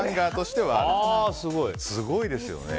すごいですよね。